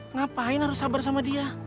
ngapain harus sabar sama dia